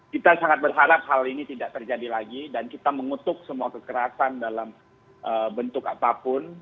kita sangat berharap hal ini tidak terjadi lagi dan kita mengutuk semua kekerasan dalam bentuk apapun